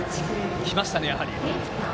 きましたね、やはり。